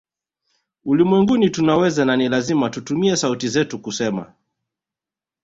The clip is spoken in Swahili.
Ulimwenguni tunaweza na ni lazima tutumie sauti zetu kusema